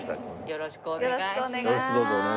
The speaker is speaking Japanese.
よろしくお願いします。